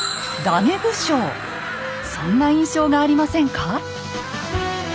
そんな印象がありませんか？